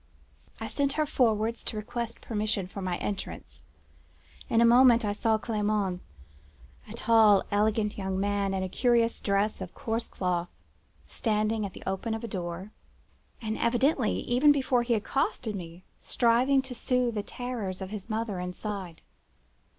"I sent her forwards to request permission for my entrance. In a moment I saw Clement—a tall, elegant young man, in a curious dress of coarse cloth, standing at the open door of a room, and evidently—even before he accosted me—striving to soothe the terrors of his mother inside.